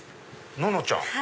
ののちゃん！